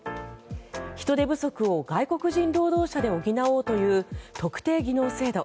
人手不足を外国人労働者で補おうという特定技能制度。